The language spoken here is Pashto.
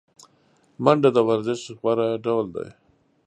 منډه د ورزش غوره ډول دی